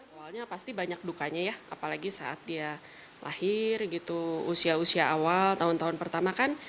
awalnya pasti banyak dukanya ya apalagi saat dia lahir gitu usia usia awal tahun tahun pertama kan